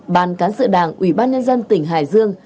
ban cán sự đảng ủy ban nhân dân tỉnh hải dương